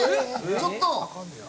ちょっと！